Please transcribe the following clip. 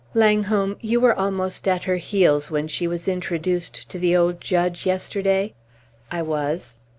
Langholm, you were almost at her heels when she was introduced to the old judge yesterday?" "I was."